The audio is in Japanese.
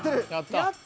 やった！